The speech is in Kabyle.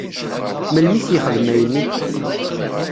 Melmi i k-yexdem ayenni?